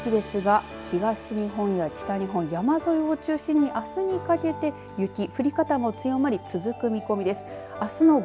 そしてこの雪ですが東日本や北日本、山沿いを中心にあすにかけて雪降り方も強まり続く見込みです。